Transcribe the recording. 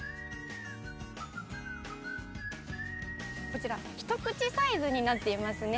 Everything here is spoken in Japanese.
こちらひと口サイズになっていますね。